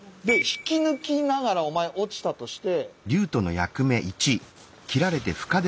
引き抜きながらお前落ちたとして。